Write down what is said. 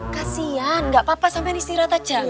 kasian gak apa apa sampe istirahat aja